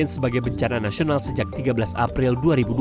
sebagai bencana nasional sejak tiga belas april dua ribu dua puluh